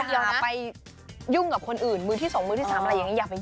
อย่าไปยุ่งกับคนอื่นมือที่๒มือที่๓อะไรอย่างนี้